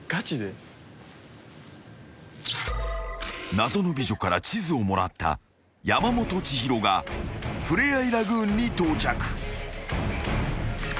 ［謎の美女から地図をもらった山本千尋がふれあいラグーンに到着］